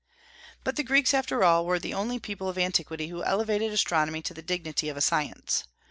But the Greeks after all were the only people of antiquity who elevated astronomy to the dignity of a science.